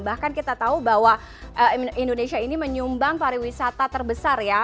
bahkan kita tahu bahwa indonesia ini menyumbang pariwisata terbesar ya